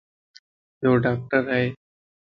يو ڊاڪٽر ائي